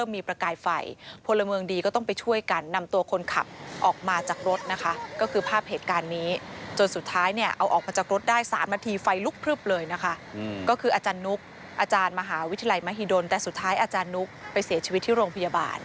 มหาวิทยาลัยมหิดลแต่สุดท้ายอาจารย์นุ๊กไปเสียชีวิตที่โรงพยาบาล